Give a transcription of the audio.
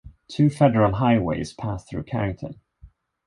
Two federal highways pass through Carrington.